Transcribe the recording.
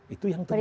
itu yang terjadi